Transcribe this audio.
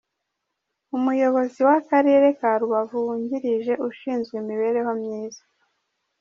Umuyobozi w’Akarere ka Rubavu wungirije ushinzwe imibereho myiza, .